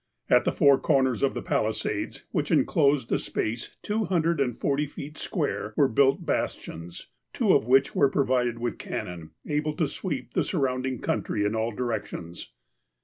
At the four corners of the palisades, which enclosed a space two hundred and forty feet square, were built bas tions, two of which were provided with cannon, able to sweep the surrounding country in all directions.